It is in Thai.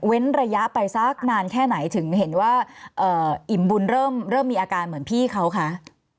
ระยะไปสักนานแค่ไหนถึงเห็นว่าอิ่มบุญเริ่มมีอาการเหมือนพี่เขาคะ